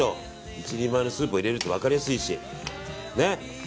１人前のスープを入れると分かりやすいし。